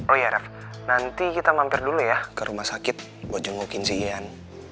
oh ya raff nanti kita mampir dulu ya ke rumah sakit buat jengukin sih ian